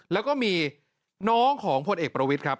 แล้วก็มีน้องของพลเอกประวิทย์ครับ